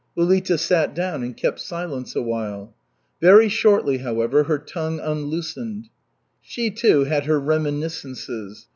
Ulita sat down and kept silence a while. Very shortly, however, her tongue unloosened. She, too, had her reminiscences.